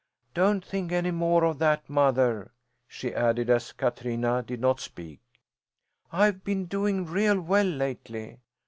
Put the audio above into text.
"Don't think any more of that, mother," she added, as Katrina did not speak. "I've been doing real well lately.